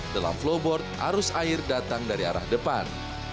dalam flowboard arus air datang dari arah depan